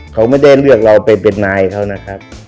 เขาไม่ได้เลือกเราไปเป็นนายเขานะครับ